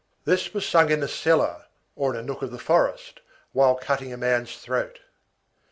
This was sung in a cellar or in a nook of the forest while cutting a man's throat.